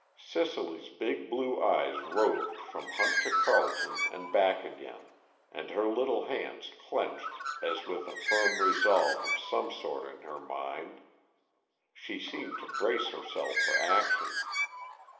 Cicely's big blue eyes roved from Hunt to Carleton and back again, and her little hands clenched as with a firm resolve of some sort in her mind; she seemed to brace herself for action.